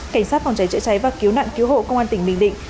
cảnh sát phòng cháy chữa cháy và cứu nạn cứu hộ công an tỉnh bình định